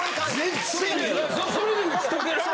それで打ち解けられる？